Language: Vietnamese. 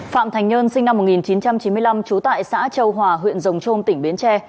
phạm thành nhơn sinh năm một nghìn chín trăm chín mươi năm trú tại xã châu hòa huyện rồng trôm tỉnh bến tre